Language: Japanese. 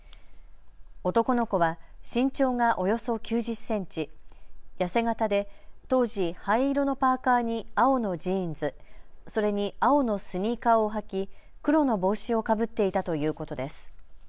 男の子は身長がおよそ９０センチ、痩せ形で当時、灰色のパーカーに青のジーンズ、それに青のスニーカーを履き黒の帽子をかぶっていたということです。